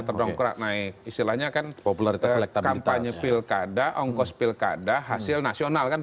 terdongkrak naik istilahnya kan popularitas kampanye pilkada ongkos pilkada hasil nasional kan